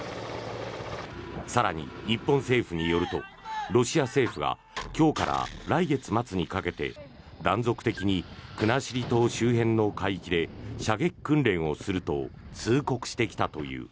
更に、日本政府によるとロシア政府が今日から来月末にかけて断続的に国後島周辺の海域で射撃訓練をすると通告してきたという。